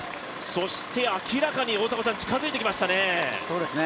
そして明らかに近づいてきましたね。